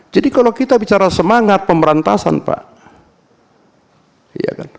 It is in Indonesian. kalau kita bicara semangat pemberantasan pak